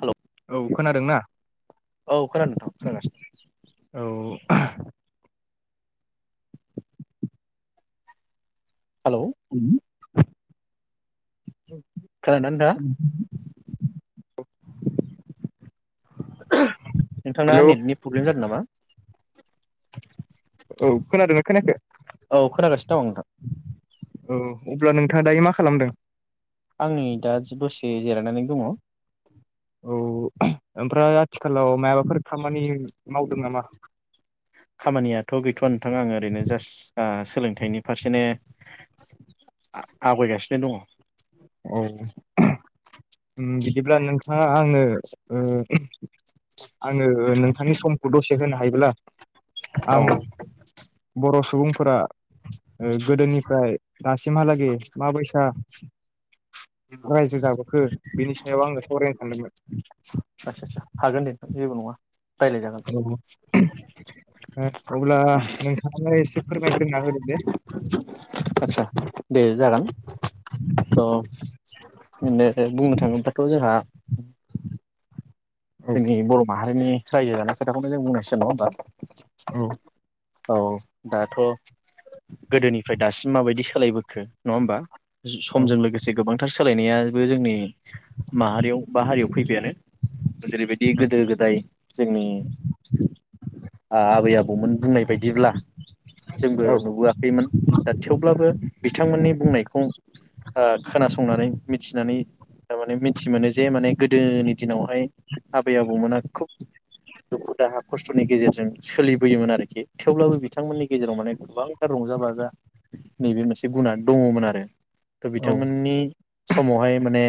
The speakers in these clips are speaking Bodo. हेलौ औ खोनादोंना औ खोनादोंथ। खोना गासिनो। औ [unintelligible] हेलौ उउम। [unintelligible] खोनदोना नोंथाङा। [unintelligible] नोंथाना हेल' नेटनि प्रब्लेम जादों नामा? औ खोनादोना खोनाखै? औ खोनागासिनो दं नोंथां। औ अब्ला नोंथाङा दायो मा खालामदों? आं नै दा दसे जिरायनानै दङ। औ [unintelligible] ओमफ्राय आथिखााल माया माबाफोर खामानि मावदों नामा? [inaudible] खामानियाथ गैथवा नोंथां आङो ओरैनो जास्ट दा सोलोंथाइनि फारसेनो आ-आवगायगासिनो दङ। औ [unintelligible] बिदिब्ला नोंथाङा आंनो ओ आंनो नोंथांनि समखौ दसे होनो हायोब्ला औ आं। बर सुबुंफोरा ओ गोदोनिफ्राय दासिमहालागै माबैसा रायजो जाबोखो बिनि सायाव आंङो सावरायनो। [unintelligible] आदसा-सा हागोन दे जेबो नङा। रायज्लायजागोन औ अब्ला नोंथाङालाय एसे फोर आदसा दे जागोन ट दे दे बुंनो थाङोबाथ जोंहा औ [unintelligible] जोंनि बर माहारिनि। रायजो जाखनाय खोथाखौनो जों बुंनांसिगोन नंङा होमबा। औ। औ दाथ गोदोनिफ्राय दासिम माबायदि सोलायबोखो नङा होमबा समजों लोगोसे गोबांथार सोलायनायाबो जोंनि माहारियाव बा हारियाव फैबायानो। जेरैबायदि गोदो गोदाय जोंनि आ आबै आबौ आबौमोन बुंनाय बायदिब्ला। जोंबो नुबोआखैमोन दा थेवब्लाबो बिथांमोननि बुंनायखौ ओ खोनासंनानै मिथिनानै थारमाने मिथिमोनो जे माने गोदोनि दिनावहाय आबै-आबौमोना खुब दुखु दाहा खस्थ'नि गेजेरजों सोलिबोयोमोन आरोखि थेवब्लाबो बिथांमोननि गेजेराव माने गोबांथार रंजा बाजा नैबे मोनसे गुना दङमोन आरो औ बिथांमोननि समावहाय माने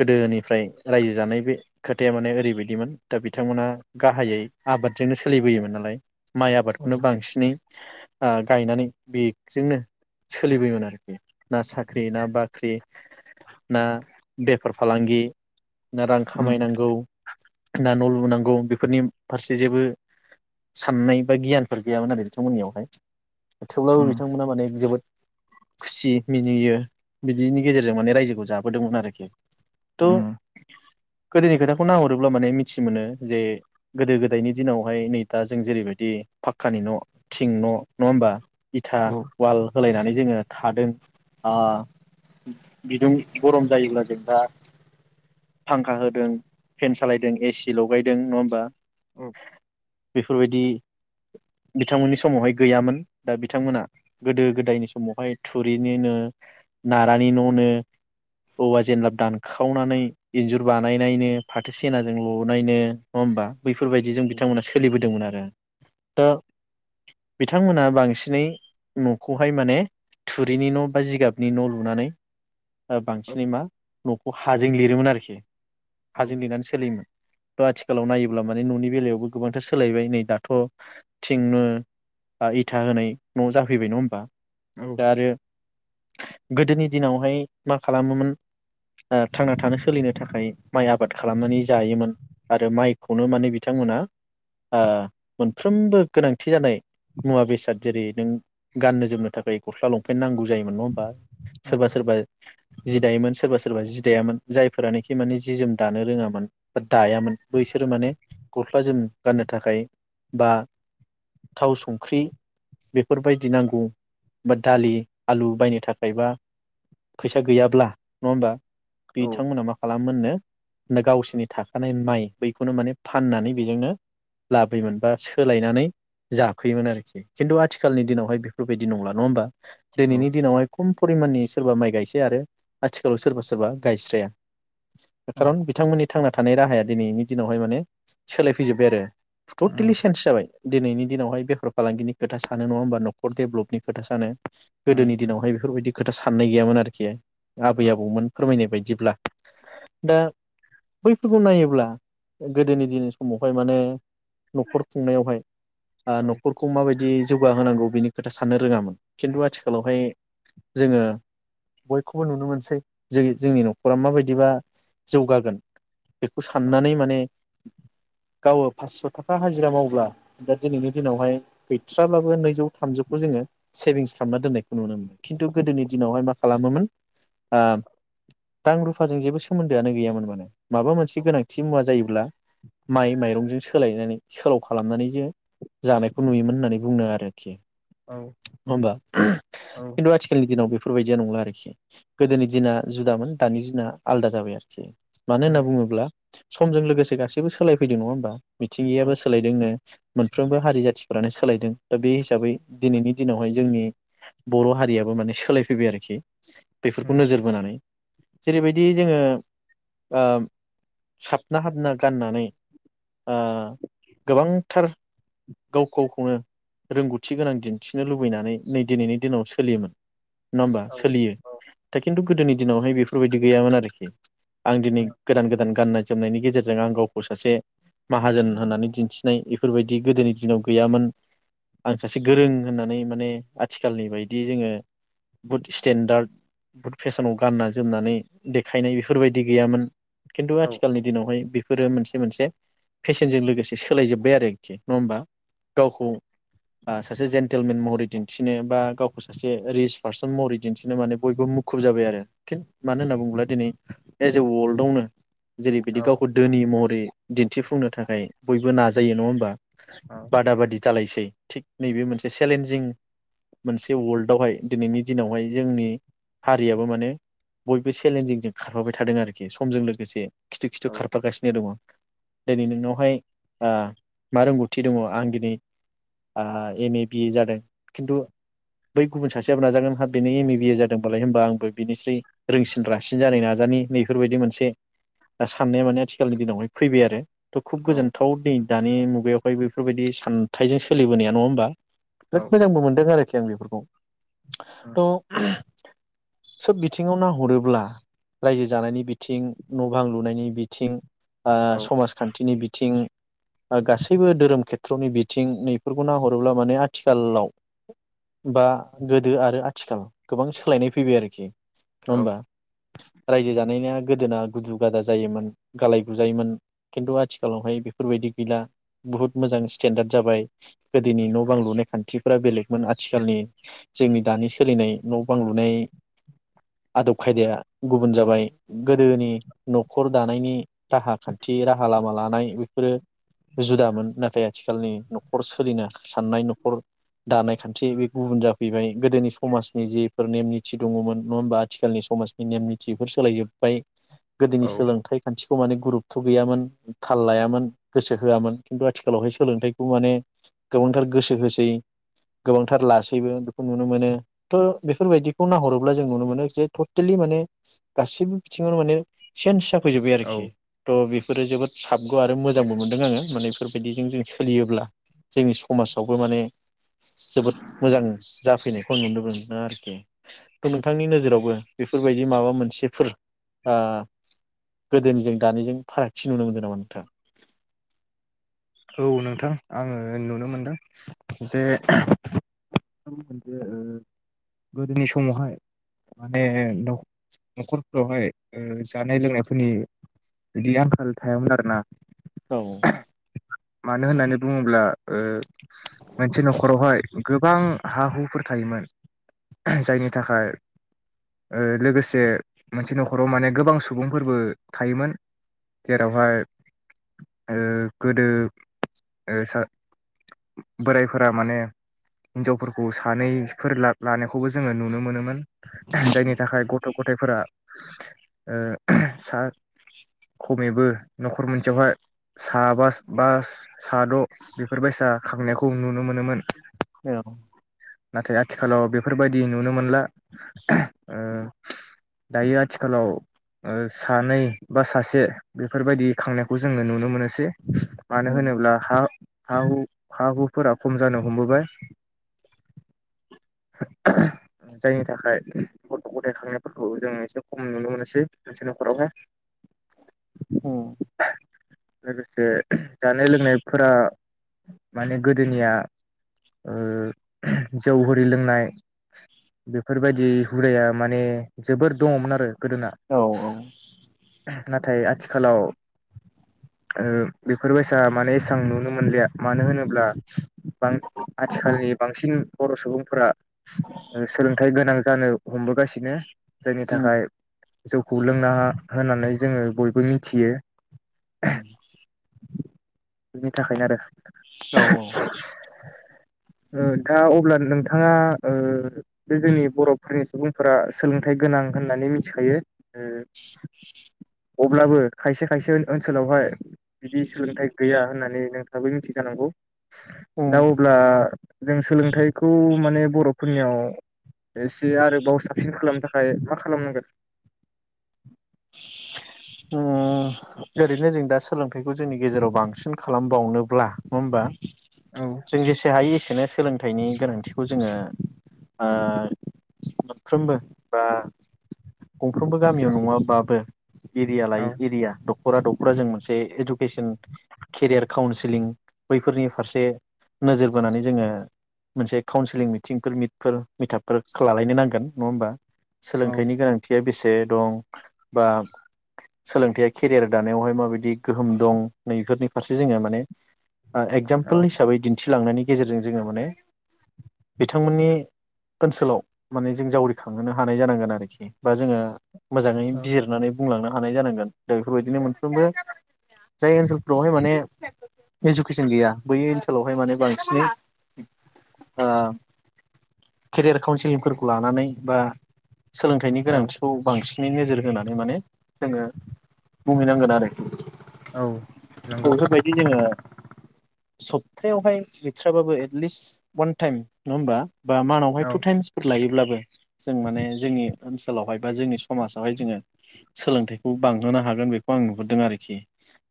गोदोनिफ्राय रायजो जानाय बे खोथाया माने ओरैबायदिमोन दा बिथांमोना गाहायै आबादजोंनो सोलिबोयोमोन नालाय। माइ औ आबादखौनो बांसिनै गायनानै बेजोंनो सोलिबोयोमोन आरोखि ना साख्रि ना बाख्रि ना बेफार फालांगि। ना रां उम खामायनांगौ ना न' लुनांगौ बेफोरनि फारसे जेबो साननाय बा गियानफोर गैयामोन आरो बिथांमोननियावहाय थेवब्लाबो उम बिथांमोना माने जोबोद खुसि मिनियो बिदिनि गेजेरजों माने रायजोखौ जाबोदोंमोन आरखि त' उम गोदोनि खोथाखौ नायहरोब्ला माने मिथि मोनो जे गोदो-गोदायनि दिनावहाय नै दा जों जेरैबायदि फाक्कानि न' थिं न' नङा होमबा इथा औ अवाल होलायनानै जोङो थादों ओ बिदुं गरम जायोब्ला जों दा फांखा होदों फेन सालायदों एसि लगायदों नङा होमबा? औ बेफोरबायदि बिथांमोननि समावहाय गैयामोन दा बिथांमोना गोदो गोदायनि समावहाय थुरिनि नो नारानि न' नो औवा जेब्ला दान खावनानै इन्जुर बानायनायनो फाथो सेनाजों लुनायनो नङा होमबा? बैफोरबायदिजों बिथांमोना सोलिबोदोंमोन आरो। दा। बिथांमोना बांसिनै न'खौहाय माने थुरिनि न' बा जिगाबनि न' लुनानै औ बांसिनै मा न'खौ हाजों लिरोमोन आरखि हाजों लिरना सोलियोमोन आथिखालाव नायोब्ला माने न'नि बेलायावबो गोबांथार सोलायबाय नै दाथ' थिंनो बा इथा होनाय न' जाफैबाय नङा होमबा? औ दा आरो गोदोनि दिनावहाय मा खालामोमोन थांना थानो सोलिनो थाखाय माइ आबाद खालामनानै जायोमोन आरो माइखौनो माने बिथांमोना आ मोनफ्रोमबो गोनांथि जानाय मुवा बेसाद जेरै नों गाननो जोमनो थाखाय गस्ला लंपेन्ट नांगौ जायोन नङ होनोमबा? औ सोरबा सोरबा जि दायोमोन सोरबा सोरबा जि दायामोन जायफोरानाखि माने जि जोम दानो रोङामोन बा दायामोन बैसोरो माने गस्ला जोम गाननो थाखाय बा थाव संख्रि बेफोरबायदि नांगौ बा दालि आलु बायनो थाखाय बा फैसा गैयाब्ला नङा होमबा औ बिथांमोना मा खालामोमोननो गावसोरनि थाखानाय माइ बैखौनो माने फाननानै बेजोंनो लाबोयोमोन बा सोलायनानै जाफैयोमोन आरखि खिन्थु आथिखालनि दिनावहाय बेफोरबायदि नंला नङा होमबा? औ दिनैनि दिनावहाय खम फरिमाननि सोरबा माइ गायसै आरो आथिखालाव सोरबा सोरबा गायस्राया उम खार'न बिथांमोननि थांना थानाय राहाया दिनैनि दिनावहाय माने सोलायफैजोबबाय आरो। उम उम टटेलि सेन्स जाबाय। दिनैनि दिनावहाय बेफार फालांगिनि खोथा सानो नङा होमबा नखर देभेलपनि खोथा सानो। गोदोनि दिनावहाय बेफोरबायदि खोथा साननाय गैयामोन आरोखि आबै आबौमोन फोरमायनाय बायदिब्ला दा बैफोरखौ नायोब्ला गोदोनि दिनै समावहाय माने नखर खुंनायावहाय ओ औ नखरखौ माबायदि जौगाहोनांगौ बेनि खोथा साननो रोङामोन खिन्थु आथिखालावहाय जोङो बयखौबो नुनो मोनसै जेरै जोंनि नखरा माबायदिबा जौगागोन। बेखौ औ उम साननानै माने गावो फास्स थाखा हाजिरा मावब्ला दा दिनैनि दिनावहाय गैथ्राब्लाबो नैजौ थामजौखौ जोङो सेभिंस खालामना दोननायखौ नुनो मोनो खिन्थु गोदोनि दिनावहाय मा खालामोमोन ओ रां रुफाजों जेबो सोमोन्दोआनो गैयामोन माने माबा मोनसे गोनांथि मुवा जायोब्ला माइ माइरंजों सोलायनानै सोलाव खालामनानैसो जानायखौ नुयोमोन होननानै बुंदों आरो। नङा औ होमबा उम औ उम खिन्थु आथिखालनि दिनाव बेफोरबायदिया नंला आरो आरोखि गोदोनि दिना जुदामोन दानि दिना आलादा जाबाय आरोखि। मानो होनना बुङोब्ला समजों लोगोसे गासैबो सोलायफैदों नङा होमबा? मिथिंगायाबो सोलायदोंनो मोनफ्रोमबो हारि जाथिफ्रानो सोलायदों दा बे हिसाबै दिनैनि दिनावहाय जोंनि बर हारियाबो माने सोलायफैबाय आरोखि औ बेफोरखौ नोजोर बोनानै जेरैबायदि जोङो ओ साबना हाबना गाननानै गोबां थार गाव गावखौनो रोंगौथि गोनां दिन्थिनो लुबैनानै नै दिनैनि दिनाव सोलियोमोन। नङा होमबा औ उम औ सोलियो दा खिन्थु गोदोनि दिनावहाय बेफोरबायदि गैयामोन आरोखि आं दिनै गोदान गोदान गाननाय जोमनायनि गेजेरजों आं गावखौ सासे माहाजोन होननानै दिन्थिनाय बेफोरबायदि गोदोनि दिनाव गैयामोन आं सासे गोरों होननानै माने आथिखालनि बायदि जोङो बहुद स्टेन्डार्द बुहुद फेसनाव गानना जोमनानै देखायनाय बेफोरबायदि गैयामोन। खिन्थु आथिखालनि दिनावहाय बेफोरो मोनसे मोनसे फेसेनजों लोगोसे सोलायजोब्बाय आरो। नङा होमबा गावखौ सासे जेन्टेलमेन महरै दिन्थिनो बा गावखौ सासे रिस पार्सन महरै दिन्थिनो माने बयबो मुखुब जाबाय आरो खिन मानो होनना बुङोब्ला दिनै एस ए वर्ल्डआवनो जेरै औ बिदि गावखौ धोनि महरै दिन्थिफुंनो थाखाय बयबो नाजायो नङा होमबा? बादा बादि जालायसै थिग नैबे मोनसे सेलेन्जिं मोनसे वर्ल्डआवहाय दिनैनि दिनावहाय जोंनि हारियाबो माने बयबो सेलेन्जिंजों खारफाबाय थादों आरोखि समजों लोगोसे खिथु खिथु खारफागासिनो दङ। दिनै नोंनावहाय ओ मा रोंगौथि दङ आं दिनै एम ए बिए जादों खिन्थु बै गुबुन सासेयाबो नाजागोन हाब बेनो एम ए बिए जादोंबालाय होमबा आंबो बिनिस्रै रोंसिन रासिन जानाय नाजानि नैफोरबायदि मोनसे साननाया माने आथिखालनि दिनावहाय फैबाय आरो। थ खुब गोजोनथाव दिन दानि मु गायावहाय बेफोरबायदि सानथाइजों सोलिबोनाया नङा होमबा? बिराद मोजांबो मोनदों आरो जोन‌ बेफोरखौ। थ' सोब बिथिङाव नाहरोब्ला रायजो जानायनि बिथिं न' बां लुनायनि बिथिं ओ समाज खान्थिनि बिथिं ओ‌ गासै गासैबो धोरोम खेथ्र'नि बिथिं नैफोरखौ नाहरोब्ला माने आथिखालाव बा गोदो आरो आथिखाल गोबां सोलायनाय फैबाय आरोखि औ नङा होमबा रायजो जानायना गोदोना गुदु गादा जायोमोन गालाय गुजायोमोन खिन्थु आथिखालावहाय बेफोर बायदि गैला। बुहुत मोजां स्टेेनडार्ड जाबाय गोदोनि न' बां लुनाय खान्थिफोरा बेलेगमोन आथिखालनि जोंनि दानि सोलिनाय न' बां लुनाय आदब खायदाया गुबुन जाबाय गोदोनि न'खर दानायनि राहा खान्थि राहा लामा लानाय बेफोरो जुदामोन नाथाय आथिखालनि न'खर सोलिनो साननाय न'खर दानाय खान्थि बे गुबुन जाफैबाय गोदोनि समाजनि जेफोर नेम निथि दङमोन नङा होमबा आथिखालनि समाज नि‌ नेम निथिफोर सोलाय जोब्बाय गोदोनि सोलोंथाइ खान्थिखौ माने गुरु थ' गैयामोन थाल लायामोन गोसो होआमोन खिन्थु आथिखालावहाय सोलोंथाइखौ माने गोबांथार गोसो होसै गोबांथार लासैबो बेखौ नुनो मोनो थ' बेफोर बायदिखौ नाहरोब्ला जों नुनो मोनो जे टटेलि माने गासिबो बि थिङावनो माने सेन्ज जाफैजोब्बाय आरोखि थ' बेफोरो जोबोद साबग' आरो मोजांबो मोन दों आङो माने बेफोर बायदिजों जों सोलियोब्ला जोंनि समाजावबो माने जोबोद मोजां जाफैनायखौ आं नुनो मोनदों आरोखि। थ' नोंथांनि नोजोरावबो बेफोर बायदि माबा मोनसेफोर ओ गोदोनिजों दानिजों फारागथि नुनो मोनदों नामा नोंथाङा‌? औ नोंथां आङो नुनो मोनदों जे जे ओ गोदोनि समावहाय माने न'खरफोरावहाय जानाय लोंनायफोरनि बिदि आंखाल थायामोन आरोना। औ मानो होननानै बुङोब्ला ओ मोनसे न'खरावहाय गोबां हा हुफोर थायोमोन जायनि थाखाय ओ लोगोसे मोनसे न'खराव माने गोबां सुबुंफोरबो थायोमोन जेरावहाय गोदो ओ बोरायफोरा माने हिनजावफोरखौ सानैफोर लानायखौबो जोङो नुनो मोनोमोन। जायनि थाखाय गथ' गथायाइफोरा ओ सा खमैबो न'खर मोनसेयावहाय साबा बा साद' बेफोरबायसा खांनायखौ नुनो मोनोमोन। औ नाथाय आथिखालाव बेफोर बायदि नुनो मोनला ओ दायो आथिखालाव ओ सानै बा सासे बेफोर बायदि खांनायखौ जोङो नुनो मोनोसै। मानो होनोब्ला हा हा-हु हा-हुफोरा खम जानो हमबोबाय जायनि थाखाय गथ' गथाय खांनायफोरखौ जों एसे खम नुनो मोनसै मोनसे न'खरावहाय। उम लोगोसे जानाय लोंनायफोरा माने गोदोनिया जौ हिरि लोंनाय बेफोर बायदि हुदाया माने जोबोर दङमोन आरो गोदोना औ नाथाय आथि आथिखालाव ओ बेफोरबायसा माने एसेबां नुनो मोनलिया मानो होनोब्ला बां आथिखालनि बांसिन बर' सुबुंफोरा सोलोंथाइ गोनां जानो हमबोगासिनो जायनि थाखाय जौखौ लोंनाङा होननानै जोङो बयबो मिथियो। बिनि थाखायनो आरो औ औ। ओ दाअब्ला नोंथाङा बे जोंनि बर'फोरनि सुबुंफोरा सोलोंथाइ गोनां होननानै मिथिखायो अब्लाबो खायसे खायसे ओनसोलावहाय। बिदि सोलोंथाइ गैया होननानै नोंथांआबो मिथियो जानांगौ। दा अब्ला। जों सोलोंथाइखौ माने बर'फोरनियाव एसे आरोबाव साबसिन खालामनो थाखाय मा खालामनांगोन? औ ओरैनो जों दा सोलोंथाइखौ जोंनि गेजेराव बांसिन खालामबावनोब्ला नङा होमबा? जों जेसे हायो एसेनो सोलोंथाइनि गोनांथिखौ जोङो ओ मोनफ्रोमबो बा गंफ्रोमबो गामियाव औ नङाबाबो एरिया औ लायै एरिया दख'रा दख'रा जों मोनसे इडुकेसन केरियार काउन्सिलिं बैफोरनि फारसे नोजोर बोनानै जोङो मोनसे काउन्सिलिं मिटिंफोर मिफोर मिथाबफोर लालायनो नांगोन नङा होमबा? औ सोलोंथाइनि गोनांथिया बेसे दं बा सोलोंथाइ केरियार दानायावहाय माबायदि गोहोम दं नै बेफोरनि फारसे जोङो माने एगजाम्पोल औ हिसाबै दिन्थिलांनायनि गेजेरजों जोङो माने बिथांमोननि ओनसोलाव माने जों जावरिखांहोनो हानाय जानांगोन आरोखि बा जोङो मोजाङै औ बिजिरनानै, बुंलांनो हानाय जानांगोन। दा बेफोरबायदिनो मोनफ्रोमबो जाय ओनसोलफोरावहाय माने इडुकेसन गैया बै ओनसोलावहाय माने बांसिनै ओ केरियार काउन्सिलिंफोरखौ लानानै बा, सोलोंथाइनि गोनांथिखौ बांसिन नै नोजोर होनानै माने जोङो बुहै नांगोन आरखि। औ नंगौ बेफोरबायदि जोङो, सबथायावहाय गैथ्राबाबो एटलिस्ट वान टाइम नङा होमबा? बा मानावहाय औ टु टायेमसफोर लायोब्ला बे जों माने जोंनि, ओनसोलावहाय बा जोंनि समाजावहाय जोङो सोलोंथाइखौ बां बांहोनो हागोन बेखौ आं नुहुरदों आरोखि।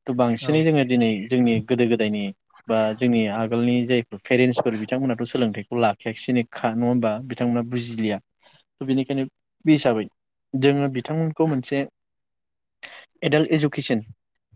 थ' औ बांसिनै जोङो दिनै, जोंनि गोदो गोदायनि बा जोंनि आगोलनि जाय पेरेन्टसफोर बिथांमोनाथ' सोंथाइ लाखायाखैसैनोखा नङा होमबा बिथांमोना बुजिलिया थ' बेनिखायनो बे हिसाबै जोङो बिथांमोनखौ मोनसे एडाल्ट एडुकेसन,